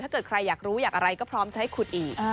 ถ้าเกิดใครอยากรู้อยากอะไรก็พร้อมใช้ขุดอีก